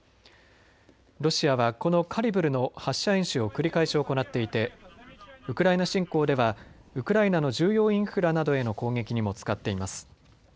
ロシアはこのカリブルの発射演習を繰り返し行っていてウクライナ侵攻ではウクライナの重要インフラなどへの攻撃にも使っています。